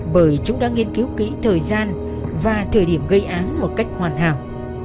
bởi chúng đã nghiên cứu kỹ thời gian và thời điểm gây án một cách hoàn hảo